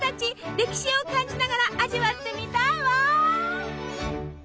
歴史を感じながら味わってみたいわ！